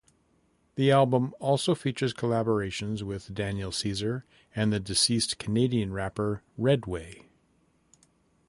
The album also features collaborations with Daniel Caesar and the deceased Canadian rapper Redway.